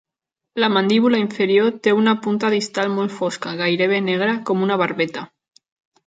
La mandíbula inferior té una punta distal molt fosca, gairebé negra, com una barbeta.